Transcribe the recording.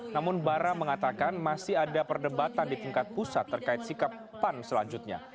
namun bara mengatakan masih ada perdebatan di tingkat pusat terkait sikap pan selanjutnya